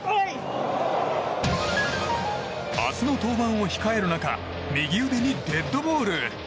明日の登板を控える中右腕にデッドボール。